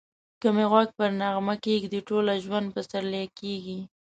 که می غوږ پر نغمه کښېږدې ټوله ژوند پسرلی کېږی